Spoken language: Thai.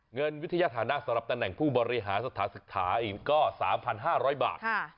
เงินวิทยาฐานะสำหรับตำแหน่งผู้บริหารสถานศึกษาอีกก็๓๕๐๐บาท